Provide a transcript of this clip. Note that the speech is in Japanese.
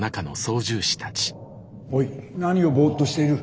おい何をボッとしている。